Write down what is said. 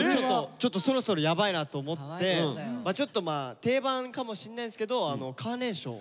ちょっとそろそろヤバいなと思ってちょっと定番かもしんないですけどカーネーションいいなと思って。